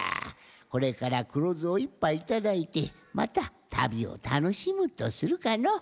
これから黒酢を１ぱいいただいてまたたびをたのしむとするかの。